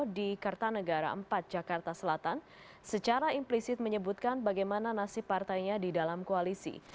di kertanegara empat jakarta selatan secara implisit menyebutkan bagaimana nasib partainya di dalam koalisi